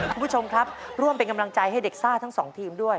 คุณผู้ชมครับร่วมเป็นกำลังใจให้เด็กซ่าทั้งสองทีมด้วย